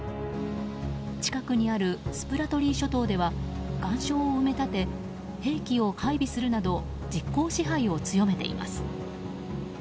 近くにあるスプラトリー諸島では岩礁を埋め立て兵器を配備するなど実効支配を強めています。